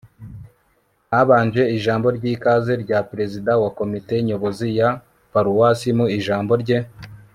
habanje ijambo ry'ikaze rya perezida wa komite nyobozi ya paruwasi, mu ijambo rye